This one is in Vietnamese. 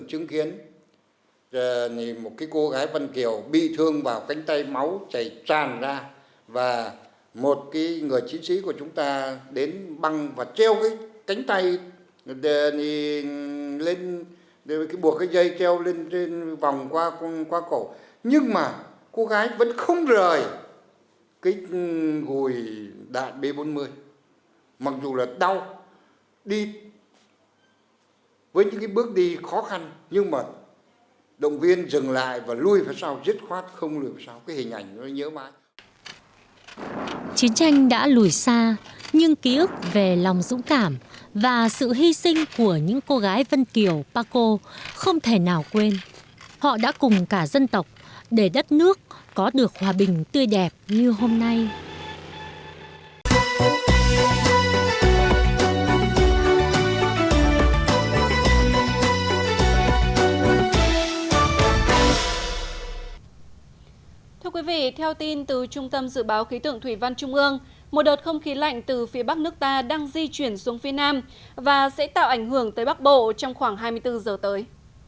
theo tin từ trung tâm dự báo khí tượng thủy văn trung ương một đợt không khí lạnh từ phía bắc nước ta đang di chuyển xuống phía nam và sẽ tạo ảnh hưởng tới bắc bộ trong khoảng hai mươi bốn giờ tới